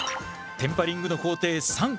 テンパリングの工程